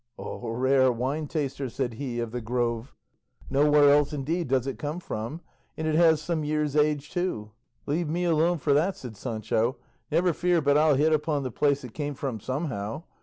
"O rare wine taster!" said he of the Grove; "nowhere else indeed does it come from, and it has some years' age too." "Leave me alone for that," said Sancho; "never fear but I'll hit upon the place it came from somehow.